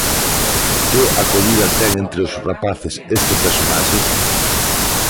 Que acollida ten entre os rapaces este personaxe?